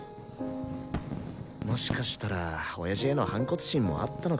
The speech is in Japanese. もしかしたら親父への反骨心もあったのかも。